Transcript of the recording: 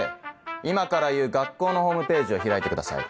今から言う学校のホームページを開いてください。